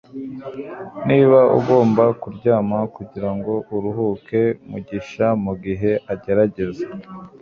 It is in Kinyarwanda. niba ugomba kuryama kugirango uruhuke? mugisha mugihe agerageza